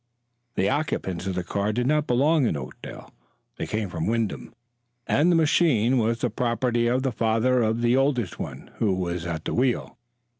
The occupants of the car did not belong in Oakdale; they came from Wyndham, and the machine was the property of the father of the oldest one, who was at the wheel.